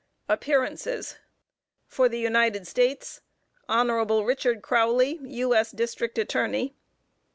APPEARANCES. For the United States: HON. RICHARD CROWLEY, U.S. District Attorney.